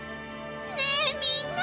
ねえみんな！